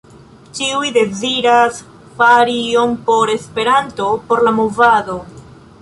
Ĉiuj deziras fari ion por Esperanto, por la movado.